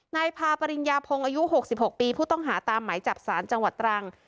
นายพาปริญญาพงศ์อายุ๖๖ปีผู้ต้องหาตามหมายจับสารจังหวัดตรัง